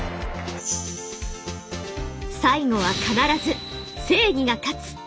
最後は必ず正義が勝つ！